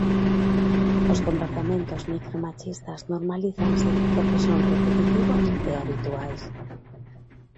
Os comportamentos micromachistas normalízanse porque son repetitivos e habituais.